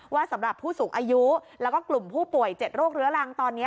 สำหรับผู้สูงอายุแล้วก็กลุ่มผู้ป่วย๗โรคเรื้อรังตอนนี้